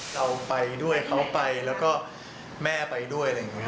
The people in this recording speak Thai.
เราไปด้วยเขาไปแล้วก็แม่ไปด้วย